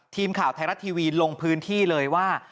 ทีมข่าวไทยรัฐทีวีลงพื้นที่เลยว่า